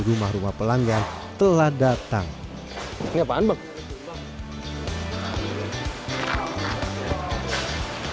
rumah rumah pelanggan telah datang ini stability